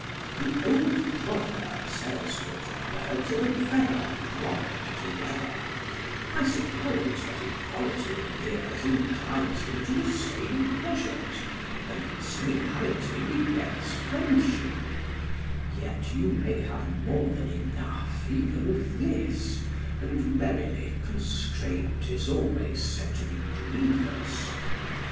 The old proverb says that 'birds of a feather flock together'; I suppose that equality of years inclines them to the same pleasures, and similarity begets friendship; yet you may have more than enough even of this; and verily constraint is always said to be grievous.